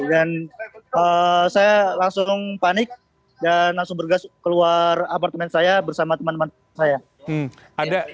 dan saya langsung panik dan langsung bergas keluar apartemen saya bersama teman teman saya